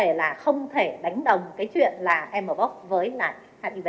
vấn đề là không thể đánh đồng cái chuyện là m a p o s với là hiv